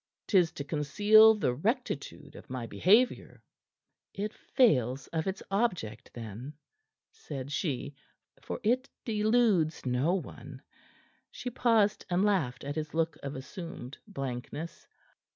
"'Tis to conceal the rectitude of my behavior." "It fails of its object, then," said she, "for it deludes no one." She paused and laughed at his look of assumed blankness.